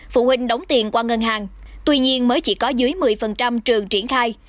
phụ huynh đóng tiền qua ngân hàng tuy nhiên mới chỉ có dưới một mươi trường triển khai